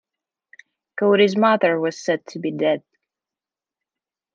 Kodee's mother was said to be dead.